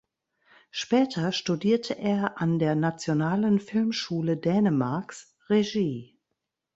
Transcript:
Später studierte er an der Nationalen Filmschule Dänemarks Regie.